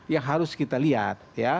yang harus kita lihat